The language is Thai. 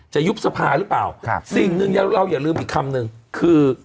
ยุบสภาหรือเปล่าครับสิ่งหนึ่งเราอย่าลืมอีกคำนึงคือ